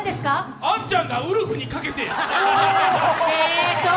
「杏ちゃんがウルフにかけてる」